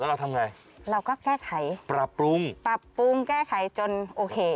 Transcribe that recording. เราทำไงเราก็แก้ไขปรับปรุงปรับปรุงแก้ไขจนโอเค